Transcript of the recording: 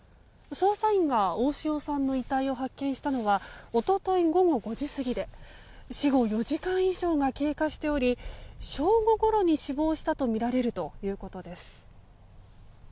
捜査員が大塩さんの遺体を発見したのが一昨日午後５時過ぎで死後４時間以上が経過しており正午ごろに死亡したとみられるということです。